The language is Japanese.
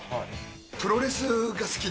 プロレスが好きで。